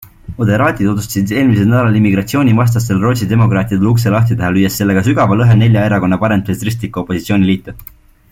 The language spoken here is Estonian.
Moderaatid otsustasid eelmisel nädalal immigratsioonivastastele Rootsi Demokraatidele ukse lahti teha, lüües sellega sügava lõhe nelja erakonna paremtsentristlikku opositsiooniliitu.